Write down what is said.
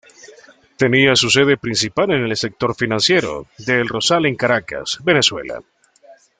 Tenía su sede principal en el sector financiero de El Rosal en Caracas, Venezuela.